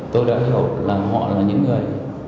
tôi đã hiểu là họ là những người